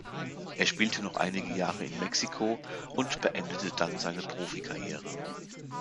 Er spielte noch einige Jahre in Mexiko und beendete dann seine Profikarriere.